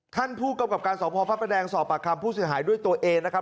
ท่านผู้กำกับการสอบพอพระประแดงสอบปากคำผู้เสียหายด้วยตัวเองนะครับ